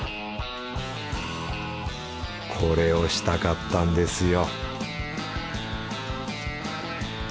これをしたかったんですよ